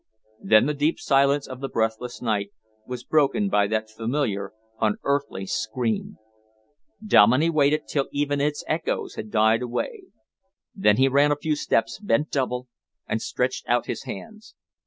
Then the deep silence of the breathless night was broken by that familiar, unearthly scream. Dominey waited till even its echoes had died away. Then he ran a few steps, bent double, and stretched out his hands.